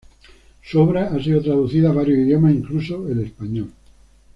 Su obra ha sido traducida a varios idiomas incluso el español.